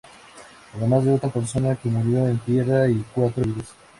Además, de otra persona que murió en tierra y cuatro heridos.